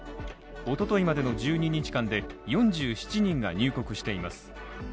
おとといまでの１２日間で４７人が入国しています。